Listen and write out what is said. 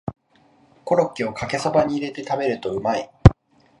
コロッケをかけそばに入れて食べるとうまい